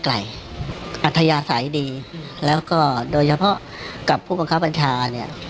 อัธยาศัยดีแล้วก็โดยเฉพาะกับผู้บังคับบัญชาเนี่ย